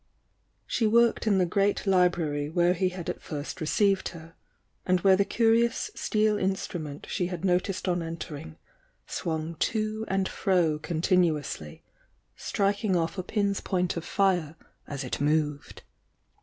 She worked in the great library where he had at first received her, and where the curious steel instrument she had noticed on entering, swung to and fro continuously, striking off a pin's point of IK! 164 THE YOUNG DIANA 11 * fire as it moved.